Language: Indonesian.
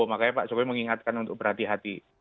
makanya pak jokowi mengingatkan untuk berhati hati